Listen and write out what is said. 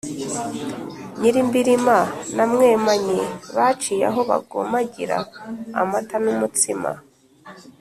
Nyirimbirima na Mwemanyi baciye aho bagomagira-Amata n'umutsima.